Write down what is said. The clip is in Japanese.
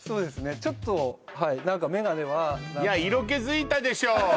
ちょっとはい何かメガネは色気づいたでしょう！